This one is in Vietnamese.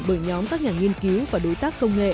bởi nhóm các nhà nghiên cứu và đối tác công nghệ